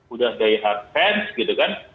udah day hard fans gitu kan